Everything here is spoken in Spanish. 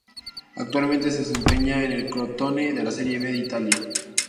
Actualmente se desempeña en el Crotone de la Serie B de Italia.